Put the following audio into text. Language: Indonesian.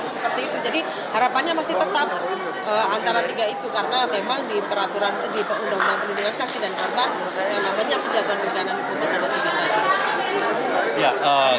seperti itu jadi harapannya masih tetap antara tiga itu karena memang di peraturan di undang undang perlindungan saksi dan korban yang namanya penjatuhan perikanan hukum yang ada tiga tadi